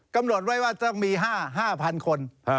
กำหนดไว้ว่าต้องมี๕๐๐คน